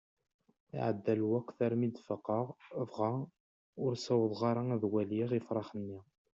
Iɛedda lweqt armi d-faqeɣ, dɣa ur sawḍeɣ ara ad waliɣ ifṛax-nni.